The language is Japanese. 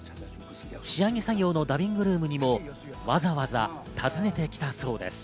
仕上げ作業のダビングルームにもわざわざ訪ねてきたそうです。